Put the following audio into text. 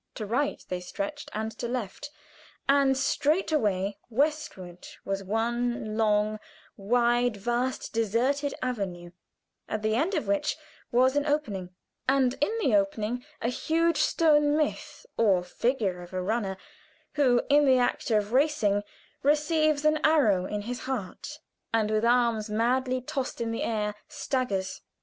To right they stretched and to left; and straightaway westward was one long, wide, vast, deserted avenue, at the end of which was an opening, and in the opening a huge stone myth or figure of a runner, who in the act of racing receives an arrow in his heart, and, with arms madly tossed in the air, staggers.